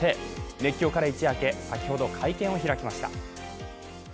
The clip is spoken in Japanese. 熱狂から一夜明け先ほど会見を開きました。